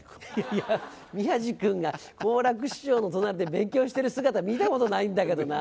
いや宮治君が好楽師匠の隣で勉強してる姿見たことないんだけどな。